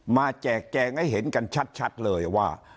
แจกแจงให้เห็นกันชัดเลยว่า